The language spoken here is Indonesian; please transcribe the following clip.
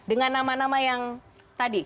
dengan nama nama yang tadi